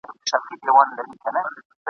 پاچاهان یو په ټولۍ کي د سیالانو ..